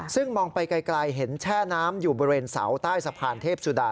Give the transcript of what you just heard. ซึ่งมองไปไกลเห็นแช่น้ำอยู่บริเวณเสาใต้สะพานเทพสุดา